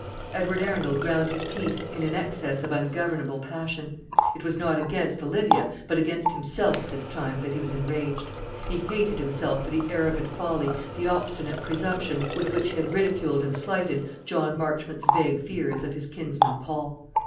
Edward Arundel ground his teeth in an access of ungovernable passion. It was not against Olivia, but against himself this time that he was enraged. He hated himself for the arrogant folly, the obstinate presumption, with which he had ridiculed and slighted John Marchmont's vague fears of his kinsman Paul.